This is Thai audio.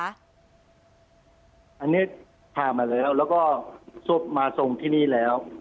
อันนี้พามาแล้วแล้วก็ศพมาทรงที่นี่แล้ว